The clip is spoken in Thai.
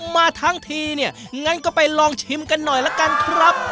มาทั้งทีเนี่ยงั้นก็ไปลองชิมกันหน่อยละกันครับ